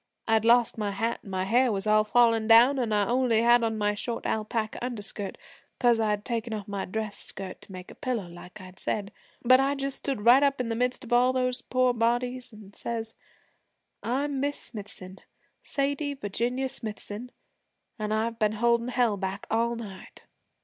I had lost my hat and my hair was all falling down, an' I only had on my short alpaca underskirt, 'cause I'd taken off my dress skirt to make a pillow like I said; but I just stood right up in the midst of all those poor bodies, an' says, "I'm Miss Smithson Sadie Virginia Smithson an' I've been holdin' Hell back all night."